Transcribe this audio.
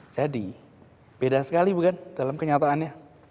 jadi beda sekali bukan dalam kenyataannya